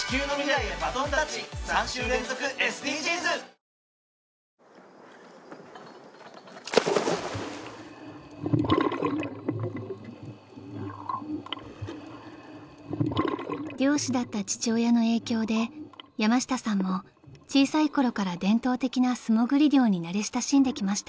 光が必要だ照らせ希望の光［漁師だった父親の影響で山下さんも小さいころから伝統的な素潜り漁に慣れ親しんできました］